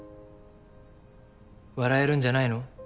笑えるんじゃないの？